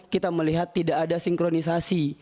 kita melihat tidak ada sinkronisasi